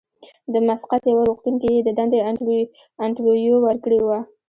د مسقط یوه روغتون کې یې د دندې انټرویو ورکړې وه.